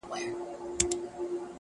یو یې د انا خود خواهي ده